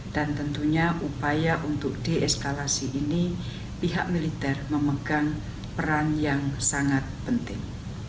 dan tentunya upaya untuk deeskalasi ini pihak militer memegang peran yang sangat penting